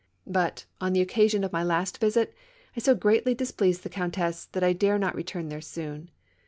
But, on the occasion of niy last visit, I so greatly displeased tlie Countess that I dare not return there soon.